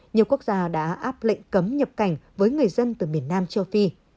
nhiều quốc gia đã áp lệnh cấm nhập cảnh với người dân từ miền nam châu phi